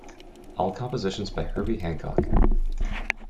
All compositions by Herbie Hancock.